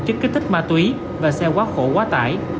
chất kích thích ma túy và xe quá khổ quá tải